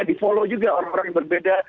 di solo juga orang orang yang berbeda